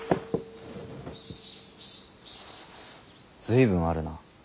随分あるな。